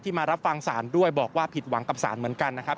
มารับฟังศาลด้วยบอกว่าผิดหวังกับสารเหมือนกันนะครับ